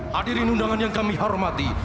hadirin undangan yang kami hormati